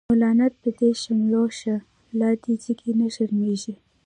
تو لعنت په دی شملو شه، لادی جگی نه شرمیږی